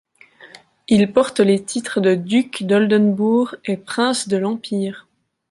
Il porte les titres de duc d'Oldenbourg et prince de l'Empire.